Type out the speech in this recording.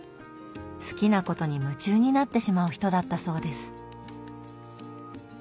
好きなことに夢中になってしまう人だったそうです。